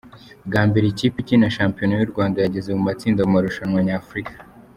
Bwa mbere ikipe ikina Shampiona y’u Rwanda yageze mu matsinda mu marushanwa nyafurika.